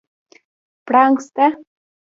پړانګ سته؟